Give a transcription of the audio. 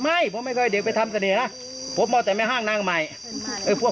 ไม่ผมไม่ค่อยเด็กไปทำเสน่ห์นะผมเอาแต่แม่ห้างนางใหม่เออพวก